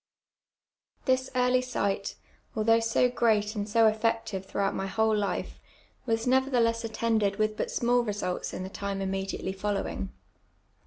This early sight, although so great and so effective through out my whole life, was nevertheless attended with but small results in the time immediately following.